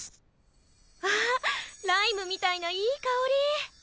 あっライムみたいないい香り！